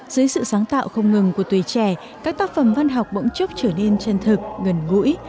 dưới sự sáng tạo không ngừng của tuổi trẻ các tác phẩm văn học bỗng chốc trở nên chân thực gần ngũi